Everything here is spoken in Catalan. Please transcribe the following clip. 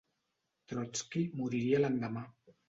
Trotski moriria l'endemà.